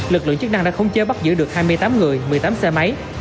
lực lượng chức năng đã khống chế bắt giữ được hai mươi tám người một mươi tám xe máy